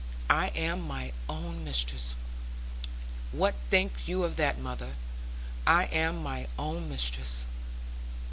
I am my own mistress what think you of that, mother? I am my own mistress!'